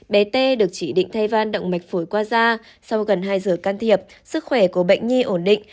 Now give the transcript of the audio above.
bé t được chỉ định thay van động mạch phổi qua da sau gần hai giờ can thiệp sức khỏe của bệnh nhi ổn định